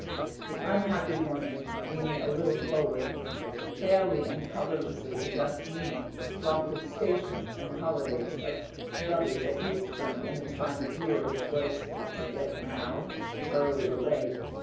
The unhappy woman, leaning a little forward, palely and colourlessly addressed me talked of stations and holidays, of brothers at Eastbourne, and the time of year, which was, I forget now, early or late.